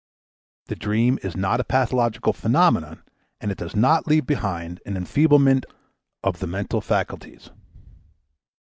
The dream is not a pathological phenomenon, and it does not leave behind an enfeeblement of the mental faculties.